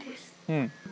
うん。